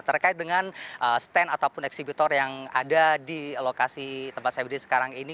terkait dengan stand ataupun eksibitor yang ada di lokasi tempat saya berdiri sekarang ini